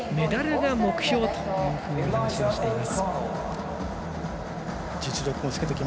メダルが目標というふうに話をしています。